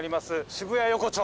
渋谷横丁。